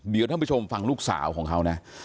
เดี๋ยวท่านผู้ชมฟังลูกสาวของเขานะ